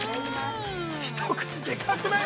◆１口でかくない？